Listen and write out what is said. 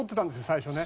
最初ね。